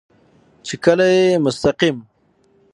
چې کله يې مستقيم